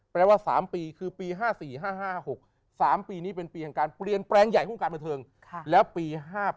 แปลว่า๓ปีคือปี๕๔๕๕๖๓ปีนี้เป็นปีแห่งการเปลี่ยนแปลงใหญ่วงการบันเทิงแล้วปี๕๘